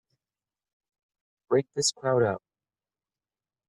Break this crowd up!